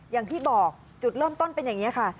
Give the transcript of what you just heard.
อย่างที่บอกจุดเริ่มต้นเป็นอย่างนี้ค่ะ